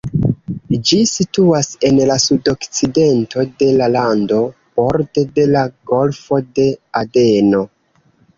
Ĝi situas en la sudokcidento de la lando, borde de la Golfo de Adeno.